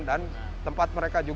dan tempat mereka juga